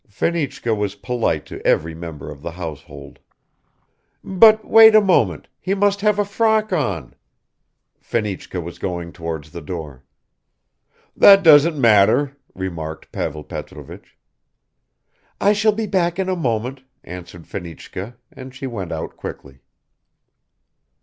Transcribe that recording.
(Fenichka was polite to every member of the household.) "But wait a moment; he must have a frock on." Fenichka was going towards the door. "That doesn't matter," remarked Pavel Petrovich. "I shall be back in a moment," answered Fenichka, and she went out quickly.